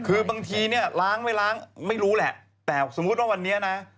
คือบางทีเนี่ยล้างไม่ล้างไม่รู้แหละแต่สมมุติว่าวันนี้นะ